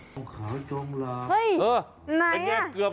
ตองขาวจงหลับ